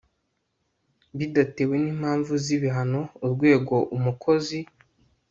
bidatewe n impamvu z ibihano urwego umukozi